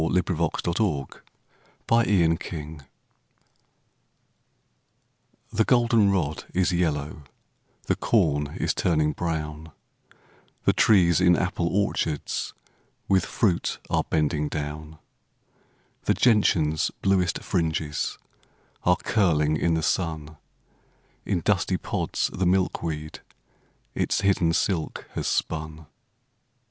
Helen Hunt Jackson September THE golden rod is yellow; The corn is turning brown; The trees in apple orchards With fruit are bearing down. The gentian's bluest fringes Are curling in the sun; In dusty pods the milkweed Its hidden silk has spun.